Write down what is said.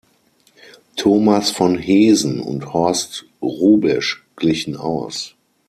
Thomas von Heesen und Horst Hrubesch glichen aus.